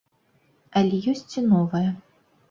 Але ёсць і новае.